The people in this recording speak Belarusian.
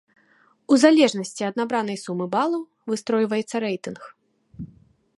У залежнасці ад набранай сумы балаў, выстройваецца рэйтынг.